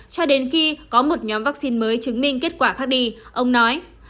cho đến khi có một nhóm vaccine mới chứng minh kết quả khác đi ông nói